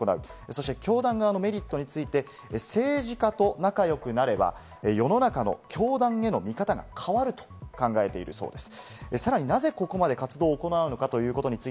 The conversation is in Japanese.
そして教団側のメリットについて政治家と仲良くなれば世の中の教団への見方が変わると考えているそうです。